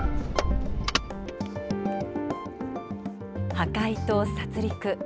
破壊と殺りく。